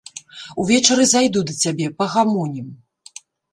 Увечары зайду да цябе, пагамонім.